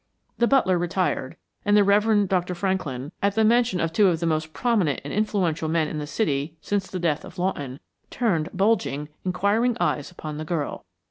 The butler retired, and the Rev. Dr. Franklin, at the mention of two of the most prominent and influential men in the city since the death of Lawton, turned bulging, inquiring eyes upon the girl.